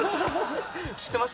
知ってました？